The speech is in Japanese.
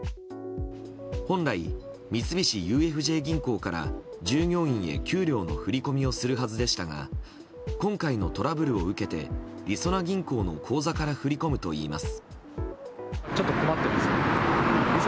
本来、三菱ＵＦＪ銀行から従業員へ給料の振り込みをするはずでしたが今回のトラブルを受けてりそな銀行の口座から振り込むといいます。